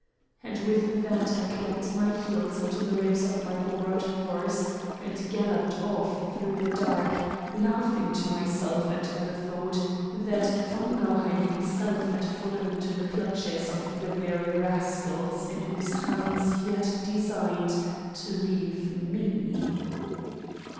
And with that I clapped my heels into the ribs of my borrowed horse and galloped off through the dark, laughing to myself at the thought that von Nauheim himself had fallen into the clutches of the very rascals in whose hands he had designed to leave me.